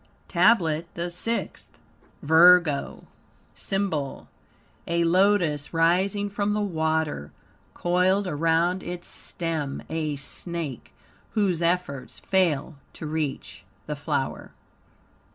TABLET THE SIXTH Virgo SYMBOL A Lotus, rising from the water, coiled around its stem a snake, whose efforts fail to reach the flower.